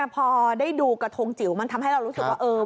พอได้ดูกระทงจิ๋วมันทำให้เรารู้สึกว่าเออ